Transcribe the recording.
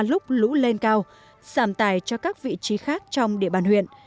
lúc lũ lên cao giảm tài cho các vị trí khác trong địa bàn huyện